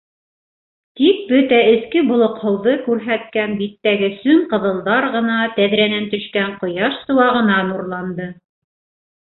Тик бөтә эске болоҡһоуҙы күрһәткән биттәге сөм-ҡыҙылдар ғына тәҙрәнән төшкән ҡояш сыуағына нурланды.